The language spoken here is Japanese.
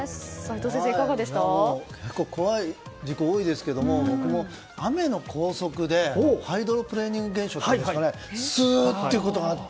怖い事故が多いですけれども僕も雨の高速でハイドロプレーニング現象っていうんですかすーっていうことがあって。